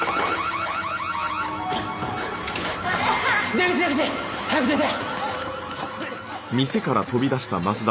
出口出口！早く出て！